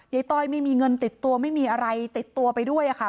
ต้อยไม่มีเงินติดตัวไม่มีอะไรติดตัวไปด้วยค่ะ